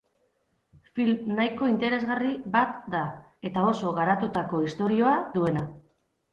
Film nahiko interesgarri bat da, eta ondo garatutako istorioa duena.